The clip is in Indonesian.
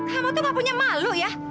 kamu tuh gak punya malu ya